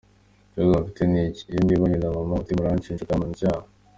ikibazo mfite ni iki, iyo ndebanye na mama umutima uranshinja ukampamya icyaha !